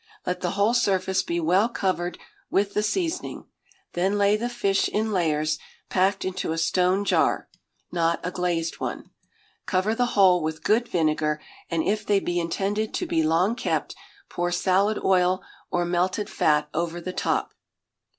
Let the whole surface be well covered with the seasoning; then lay the fish in layers packed into a stone jar (not a glazed one); cover the whole with good vinegar, and if they be intended to be long kept, pour salad oil or melted fat over the top.